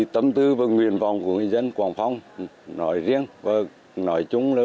tâm tư và nguyện vọng của người dân quảng phong nói riêng và nói chung là